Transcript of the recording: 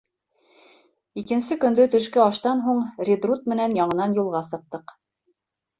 Икенсе көндө төшкө аштан һуң Редрут менән яңынан юлға сыҡтыҡ.